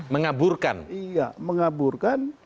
mengaburkan iya mengaburkan